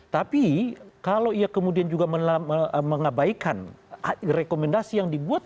tapi kalau ia kemudian juga mengabaikan rekomendasi yang dibuat